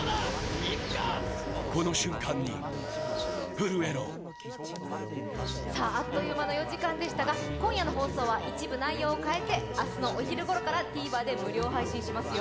どん兵衛さあ、あっという間の４時間でしたが今夜の放送は一部内容を変えて明日のお昼ごろからＴＶｅｒで無料配信しますよ。